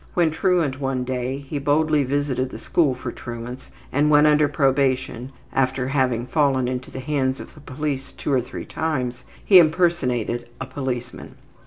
When truant one day he boldly visited the school for truants, and when under probation, after having fallen into the hands of the police two or three times, he impersonated a policeman.